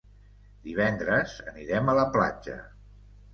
Divendres anirem a la platja.